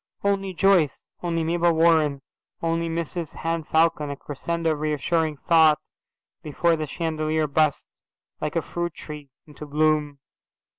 "Only Joyce, only Mabel Warren, only Mrs Henne Falcon," a crescendo of reassuring thought before the chandelier burst, like a fruit tree, into bloom.